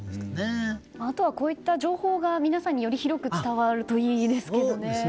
あとはこういった情報が皆さんにより広く伝わるといいですね。